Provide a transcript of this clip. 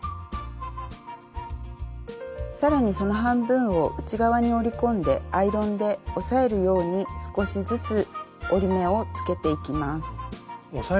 更にその半分を内側に折り込んでアイロンで押さえるように少しずつ折り目をつけていきます。